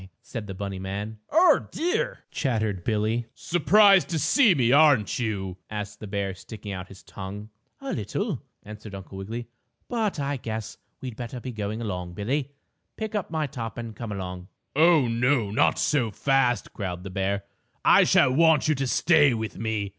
said the bunny man. "Oh, dear!" chattered Billie. "Surprised to see me, aren't you?" asked the bear sticking out his tongue. "A little," answered Uncle Wiggily, "but I guess we'd better be getting along Billie. Pick up my top and come along." "Oh, oh! Not so fast!" growled the bear. "I shall want you to stay with me.